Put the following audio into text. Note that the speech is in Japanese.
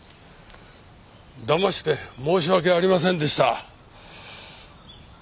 だまして申し訳ありませんでした。